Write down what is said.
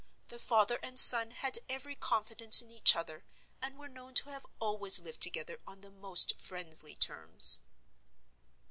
The father and son had every confidence in each other, and were known to have always lived together on the most friendly terms.